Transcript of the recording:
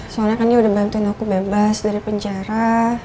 soalnya kan dia udah bantuin aku bebas dari penjara